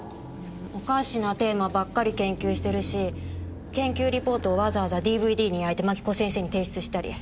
おかしなテーマばっかり研究してるし研究リポートをわざわざＤＶＤに焼いて槙子先生に提出したり。